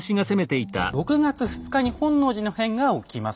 ６月２日に本能寺の変が起きます。